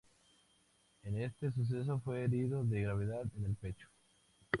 En este suceso fue herido de gravedad en el pecho.